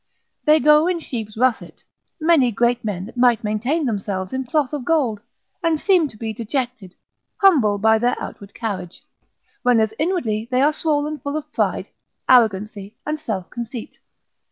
They go in sheep's russet, many great men that might maintain themselves in cloth of gold, and seem to be dejected, humble by their outward carriage, when as inwardly they are swollen full of pride, arrogancy, and self conceit.